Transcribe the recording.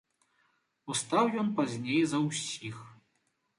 Устаў ён пазней за ўсіх.